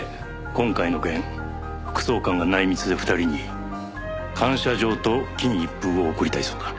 今回の件副総監が内密で２人に感謝状と金一封を贈りたいそうだ。